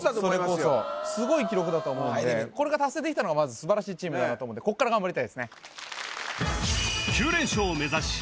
すごい記録だと思うんでこれが達成できたのがまず素晴らしいチームだなと思うのでここから頑張りたいですね９連勝を目指し